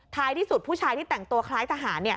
ที่สุดผู้ชายที่แต่งตัวคล้ายทหาร